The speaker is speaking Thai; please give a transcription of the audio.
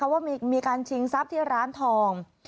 ว่ามีการชิงทรัพย์ที่ร้านทอง